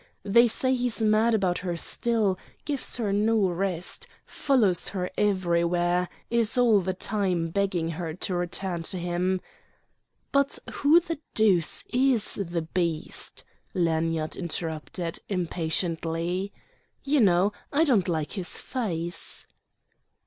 They say he's mad about her still, gives her no rest, follows her everywhere, is all the time begging her to return to him—" "But who the deuce is the beast?" Lanyard interrupted, impatiently. "You know, I don't like his face."